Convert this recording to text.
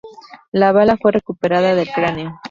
La bala fue recuperada del cráneo.